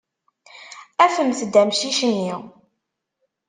Afemt-d amcic-nni.